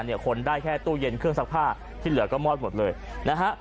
คนได้แค่ตู้เย็นเครื่องซักผ้าที่เหลือก็มอดหมดเลยนะฮะ